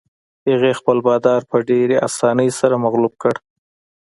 هغې خپل بادار په ډېرې اسانۍ سره مغلوب کړ.